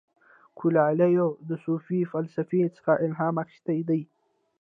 کویلیو د صوفي فلسفې څخه الهام اخیستی دی.